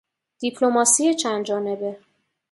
دیپلماسی چند جانبه